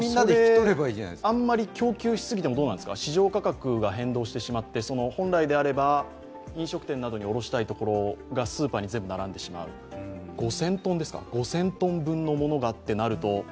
あんまり供給しすぎても市場価格が変動してしまって本来であれば、飲食店などに卸したいところがスーパーに全部並んでしまう、５０００ｔ分のものがってなると。